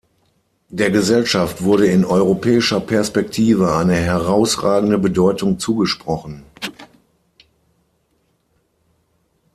Der Gesellschaft wurde in europäischer Perspektive eine herausragende Bedeutung zugesprochen.